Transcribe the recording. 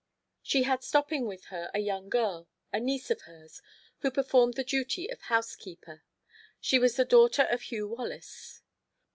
She had stopping with her a young girl, a niece of hers, who performed the duty of housekeeper. She was the daughter of Hugh Wallace.